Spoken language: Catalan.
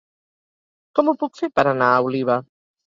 Com ho puc fer per anar a Oliva?